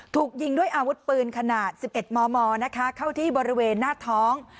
ถูกยิงด้วยอาวุธปืนขนาด๑๑มมนะคะเข้าที่บริเวณหน้าท้อง